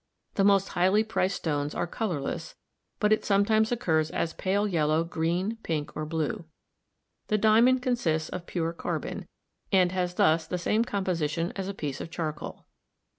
The most highly priced stones are colorless, but it sometimes occurs as pale yellow, green, pink or blue. The diamond consists of pure carbon, and has thus the same composition as a piece of charcoal.